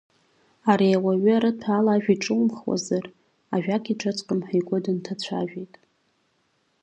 Ари ауаҩы арыҭәа ала ажәа иҿимхуазар, ажәак иҿыҵҟьом ҳәа игәы дынҭацәажәеит.